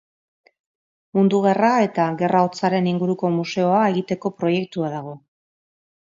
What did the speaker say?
Mundu Gerra eta Gerra Hotzaren inguruko museoa egiteko proiektua dago.